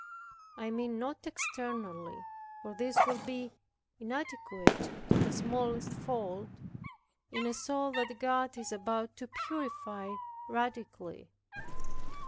I mean not externally, for this would be inadequate to the smallest fault, in a soul that God is about to purify radically.